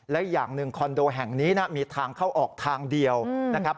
และอย่างหนึ่งคอนโดแห่งนี้มีทางเข้าออกทางเดียวนะครับ